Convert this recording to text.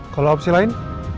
kalau opsi lain